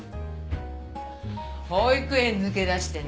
保育園抜け出してね